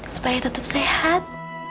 supaya tetap sehat